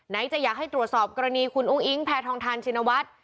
จะอยากให้ตรวจสอบกรณีคุณอุ้งอิงแพทองทานชินวัฒน์